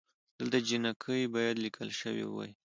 دلته جینکۍ بايد ليکل شوې وئ